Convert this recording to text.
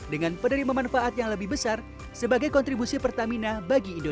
dengan penerima manfaat yang lebih besar sebagai kontribusi pertamina bagi indonesia